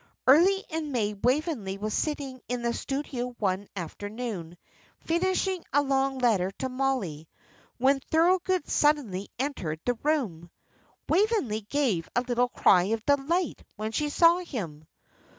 Early in May Waveney was sitting in the studio one afternoon, finishing a long letter to Mollie, when Thorold suddenly entered the room. Waveney gave a little cry of delight when she saw him.